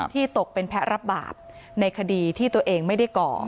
ตกเป็นแพ้รับบาปในคดีที่ตัวเองไม่ได้ก่อ